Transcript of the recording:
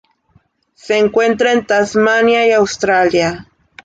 Se encuentra en Tasmania y Australia.